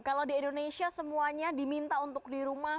kalau di indonesia semuanya diminta untuk di rumah